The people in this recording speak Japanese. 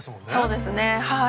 そうですねはい。